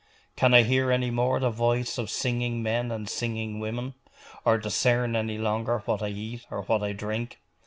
Can I hear any more the voice of singing men and singing women; or discern any longer what I eat or what I drink?